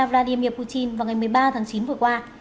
vladimir putin vào ngày một mươi ba tháng chín vừa qua